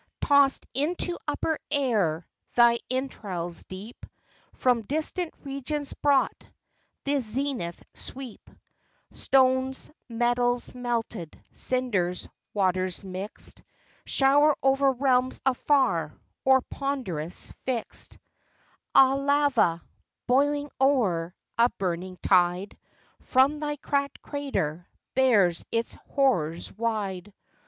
Toss'd into upper air, thy entrails deep, From distant regions brought, the zenith sweep: Stones, metals, melted ; cinders, waters, mixed, Shower over realms afar; or ponderous fixed As lava, boiling o'er, a burning tide From thy cracked crater, bears its horrors wide.